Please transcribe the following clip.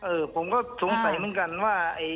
ผมก็สงสัยเหมือนกันว่า